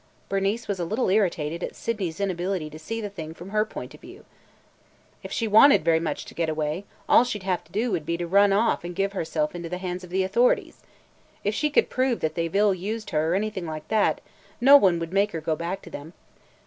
Bernice was a little irritated at Sydney's inability to see the thing from her point of view. "If she wanted very much to get away, all she 'd have to do would be to run off and give herself into the hands of the authorities. If she could prove that they 've ill used her or anything like that, no one would make her go back to them.